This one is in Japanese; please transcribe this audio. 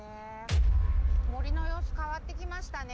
森の様子変わってきましたね。